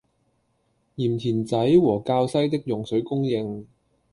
鹽田仔和滘西的用水供應